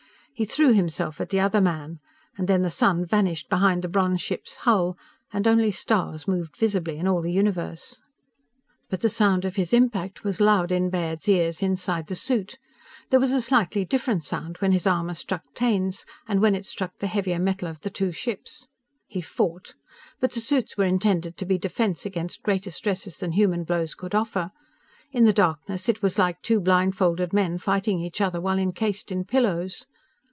He threw himself at the other man and then the sun vanished behind the bronze ship's hull, and only stars moved visibly in all the universe. But the sound of his impact was loud in Baird's ears inside the suit. There was a slightly different sound when his armor struck Taine's, and when it struck the heavier metal of the two ships. He fought. But the suits were intended to be defense against greater stresses than human blows could offer. In the darkness, it was like two blindfolded men fighting each other while encased in pillows.